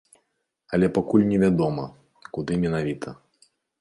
Але пакуль невядома, куды менавіта.